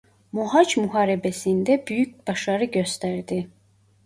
Mohaç Muharebesi'nde büyük başarı gösterdi.